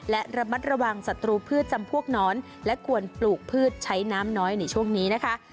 และระมัดระวังศัตรูพืชจำพวกน้อนและควรปลูกพืชใช้น้ำน้อยในช่วงนี้นะคะ